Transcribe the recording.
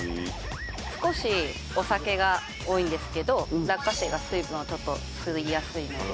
少しお酒が多いんですけど落花生が水分をちょっと吸いやすいので。